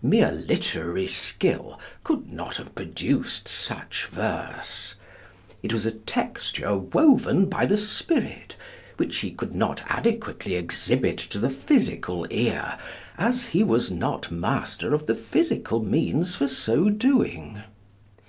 Mere literary skill could not have produced such verse. It was a texture woven by the spirit, which he could not adequately exhibit to the physical ear, as he was not master of the physical means for so doing.